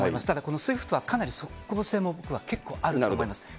ただこのＳＷＩＦＴはかなり速効性も僕は、結構あると思います。